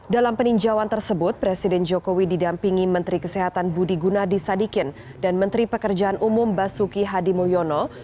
dalam peninjauan tersebut presiden jokowi didampingi menteri kesehatan budi gunadisadikin dan menteri pekerjaan umum basuki hadimoyono